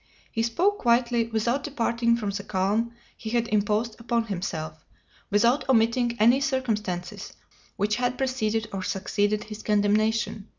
He spoke quietly without departing from the calm he had imposed upon himself, without omitting any circumstances which had preceded or succeeded his condemnation.